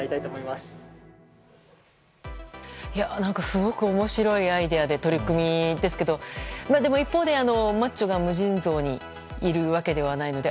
すごく面白いアイデアで取り組みですけどでも、一方でマッチョが無尽蔵にいるわけではないので。